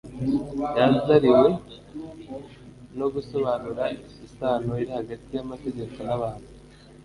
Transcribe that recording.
Yazariywe no gusobanura isano iri hagati y'amategeko n'abantu